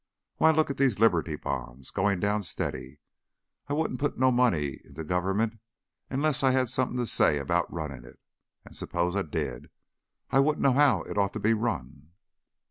"Why, lookit these Liberty bonds! Goin' down steady. I wouldn't put no money into the gov'ment unless I had something to say about runnin' it. An' s'pose I did? I wouldn't know how it oughta be run."